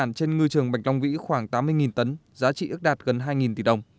sản trên ngư trường bạch long vĩ khoảng tám mươi tấn giá trị ước đạt gần hai tỷ đồng